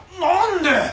何で？